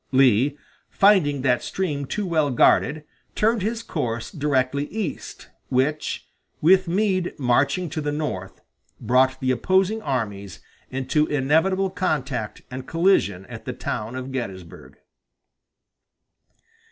Lee, finding that stream too well guarded, turned his course directly east, which, with Meade marching to the north, brought the opposing armies into inevitable contact and collision at the town of Gettysburg.